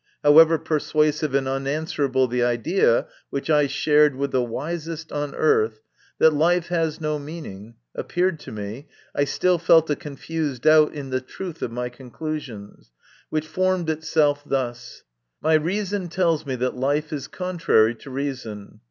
However persuasive and unanswerable the idea, which I shared with the wisest on earth, that life has no meaning, appeared to me, I still felt a confused doubt in the truth of my conclusions, which formed itself thus :" My reason tells me that life is contrary to reason.